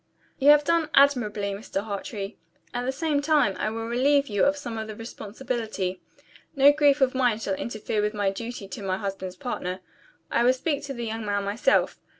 "You have done admirably, Mr. Hartrey. At the same time, I will relieve you of some of the responsibility. No grief of mine shall interfere with my duty to my husband's partner. I will speak to the young man myself.